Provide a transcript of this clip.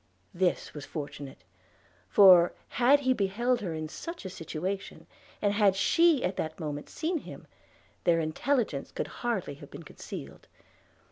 This was fortunate; for, had he beheld her in such a situation, and had she at that moment seen him, their intelligence could hardly have been concealed.